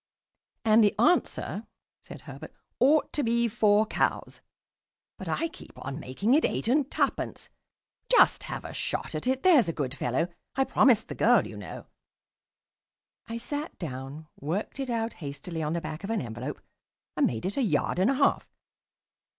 "And the answer," said Herbert, "ought to be 'four cows,' but I keep on making it 'eight and tuppence.' Just have a shot at it, there's a good fellow. I promised the girl, you know." I sat down, worked it out hastily on the back of an envelope, and made it a yard and a half.